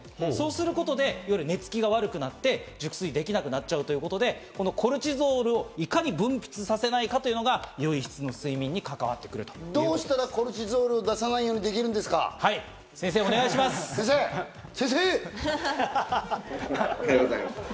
そうすることで夜、寝つきが悪くなって熟睡できなくなっちゃうということで、コルチゾールをいかに分泌させないかということが良い睡眠に関わってくどうしたらコルチゾールを出さないようにすることができるんですか？